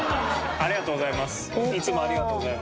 ありがとうございます。